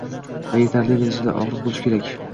Va yetarli darajada og’riq bo’lishi kerak.